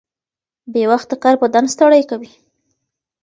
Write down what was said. بې وخته کار بدن ستړی کوي.